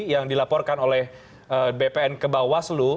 yang dilaporkan oleh bpn kebawah seluruh